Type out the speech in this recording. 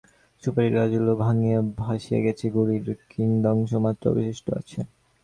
সুপারির গাছগুলা ভাঙিয়া ভাসিয়া গেছে, গুঁড়ির কিয়দংশ মাত্র অবশিষ্ট আছে।